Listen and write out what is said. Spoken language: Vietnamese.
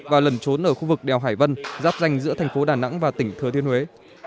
và lần trốn ở khu vực đèo hải vân giáp danh giữa thành phố đà nẵng và tỉnh thừa thiên huế